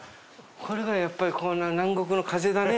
これがやっぱり南国の風だね。